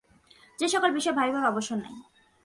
সে সকল বিষয় ভাবিবার অবসর নাই।